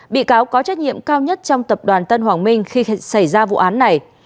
bị cáo có trách nhiệm cao nhất trong tập đoàn tân hoàng minh khi xảy ra vụ án này